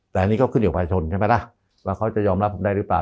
แต่อันนี้ก็ขึ้นอยู่ภายชนใช่ไหมล่ะว่าเขาจะยอมรับผมได้หรือเปล่า